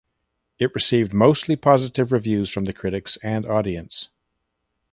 It received mostly positive reviews from the critics and audience.